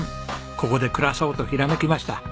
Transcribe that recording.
ここで暮らそうとひらめきました。